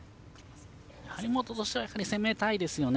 張本としては攻めたいですよね。